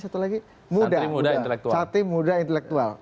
satu lagi mudah santri muda intelektual